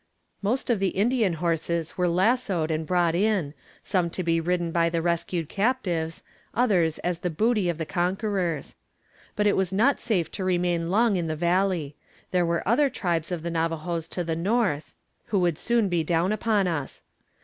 Most of the Indian horses were lassoed and brought in, some to be ridden by the rescued captives, others as the booty of the conquerors. But it was not safe to remain long in the valley. There were other tribes of the Navajoes to the north, who would soon be down upon us.